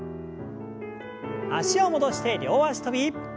脚を戻して両脚跳び。